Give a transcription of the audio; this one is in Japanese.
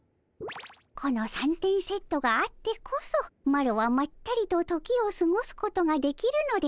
この三点セットがあってこそマロはまったりと時をすごすことができるのでおじゃる。